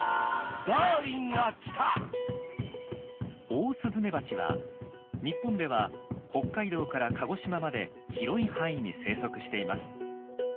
オオスズメバチは日本では北海道から鹿児島まで広い範囲に生息しています。